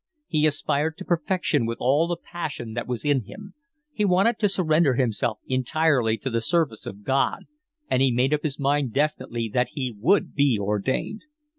He aspired to perfection with all the passion that was in him. He wanted to surrender himself entirely to the service of God, and he made up his mind definitely that he would be ordained.